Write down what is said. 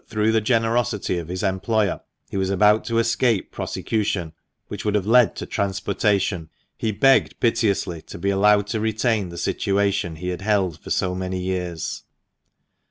165 through the generosity of his employer, he was about to escape prosecution, which would have led to transportation, he begged piteously to be allowed to retain the situation he had held for so many years.